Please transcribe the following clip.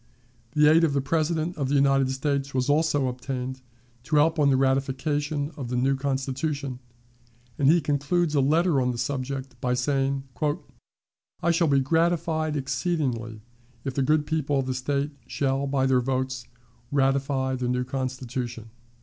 The aid of the President of the United States was also obtained to help on the ratification of the new Constitution, and he concludes a letter on the subject by saying, "I shall be gratified exceedingly if the good people of the State shall, by their votes, ratify the new Constitution."